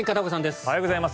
おはようございます。